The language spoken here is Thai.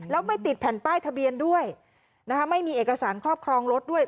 แล้วไม่ติดแผ่นป้ายทะเบียนด้วยนะคะไม่มีเอกสารครอบครองรถด้วย